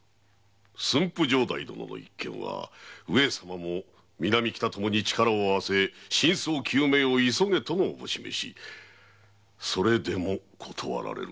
駿府城代殿の一件は上様も「南北ともに力を合わせ真相究明を急げ」との思し召しそれでも断られるか。